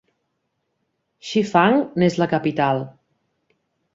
Shifang n'és la capital.